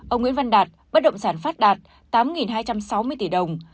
ông nguyễn văn đạt bất động sản phát đạt tám hai trăm sáu mươi tỷ đồng